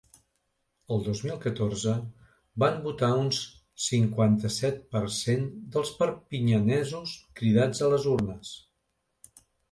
El dos mil catorze van votar un cinquanta-set per cent dels perpinyanesos cridats a les urnes.